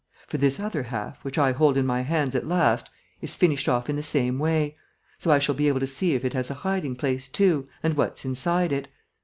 For this other half, which I hold in my hands at last, is finished off in the same way ... so I shall be able to see if it has a hiding place too and what's inside it....